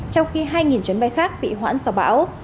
trong khi hai chuyến bay khác bị hoãn sau bão